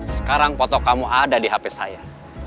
sekarang foto kamu ada di hp saya